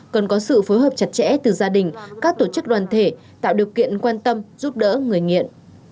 cần có sự phối hợp chặt chẽ từ gia đình các tổ chức đoàn thể tạo điều kiện quan tâm giúp đỡ người nghiện